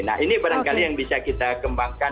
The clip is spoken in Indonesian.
nah ini barangkali yang bisa kita kembangkan